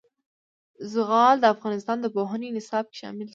زغال د افغانستان د پوهنې نصاب کې شامل دي.